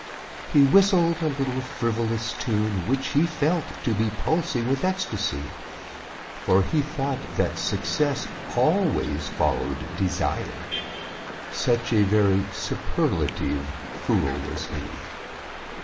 He whistled a little frivolous tune Which he felt to be pulsing with ecstasy, For he thought that success always followed desire, Such a very superlative fool was he.